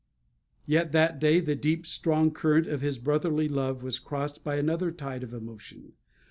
Yet that day the deep, strong current of his brotherly love was crossed by another tide of emotion.